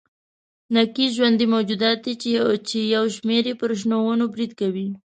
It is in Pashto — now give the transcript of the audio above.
نکي ژوندي موجودات دي چې یو شمېر یې پر شنو ونو برید کوي.